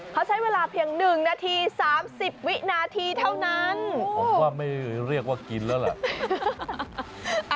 เขาใช้เวลาเพียง๑นาที๓๐วินาทีเท่านั้นผมว่าไม่เรียกว่ากินแล้วล่ะ